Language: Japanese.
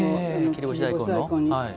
切り干し大根に。